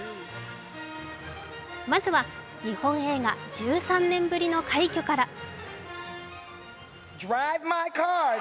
まずは日本映画１３年ぶりの快挙から。